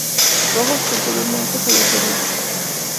Rojas posteriormente fallecería.